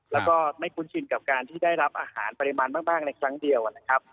แล้วก็ไม่คุ้นชินกับการที่ได้รับอาหารปริมาณมากในครั้งเดียวนะครับ